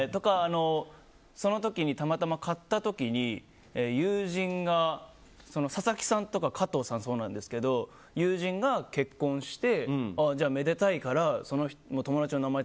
その時にたまたま買った時に佐々木さんとか加藤さんがそうなんですけど友人が結婚して、めでたいからその友達の名前